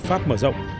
pháp mở rộng